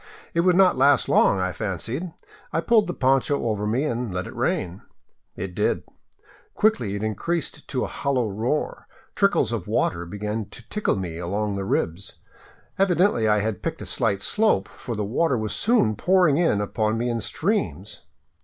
It would not last long, I fancied. I pulled the poncho over me and let it rain. It did. Quickly it increased to a hollow roar ; trickles of water began to tickle me along the ribs. Evidently I had picked a slight slope, for the water was soon pouring in upon me in streams.